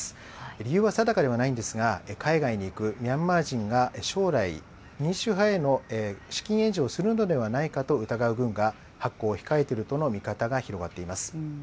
理由は定かではないんですが、海外に行くミャンマー人が、将来、民主派への資金援助をするのではないかと疑う軍が、発行を控えているとの見方が広がっています。